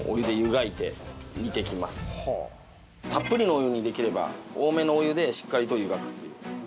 たっぷりのお湯にできれば多めのお湯でしっかりと湯がくっていう。